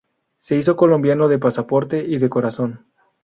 Se hizo colombiano de pasaporte y de corazón.